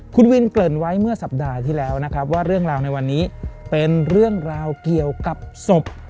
คุณวินเกริ่นไว้เมื่อสัปดาห์ที่แล้วนะครับว่าเรื่องราวในวันนี้เป็นเรื่องราวเกี่ยวกับศพ